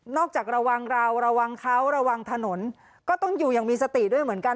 จากระวังเราระวังเขาระวังถนนก็ต้องอยู่อย่างมีสติด้วยเหมือนกัน